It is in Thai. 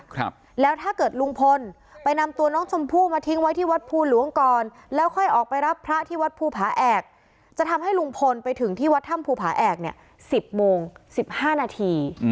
ครับแล้วถ้าเกิดลุงพลไปนำตัวน้องชมพู่มาทิ้งไว้ที่วัดภูหลวงก่อนแล้วค่อยออกไปรับพระที่วัดภูผาแอกจะทำให้ลุงพลไปถึงที่วัดถ้ำภูผาแอกเนี่ยสิบโมงสิบห้านาที